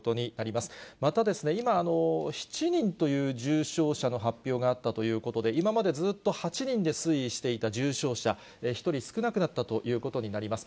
また、今、７人という重症者の発表があったということで、今までずっと８人で推移していた重症者、１人少なくなったということになります。